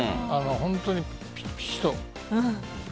本当にピチピチと。